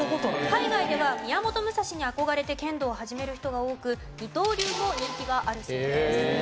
海外では宮本武蔵に憧れて剣道を始める人が多く二刀流も人気があるそうです。